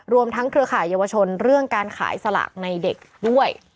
รวมทั้งเครือข่ายเยาวชนเรื่องการขายสลากในเด็กด้วย